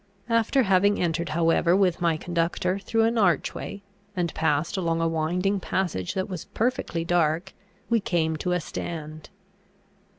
After having entered however with my conductor through an archway, and passed along a winding passage that was perfectly dark, we came to a stand.